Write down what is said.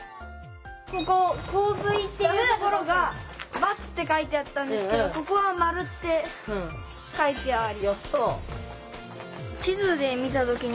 ここ「洪水」っていうところが「×」って書いてあったんですけどここは「○」って書いてある。